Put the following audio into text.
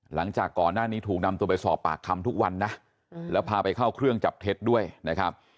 หลังจากก่อนหน้านี้ถูกนำตัวไปสอบปากคำทุกวันนะแล้วพาไปเข้าเครื่องจับเท็จด้วยนะครับ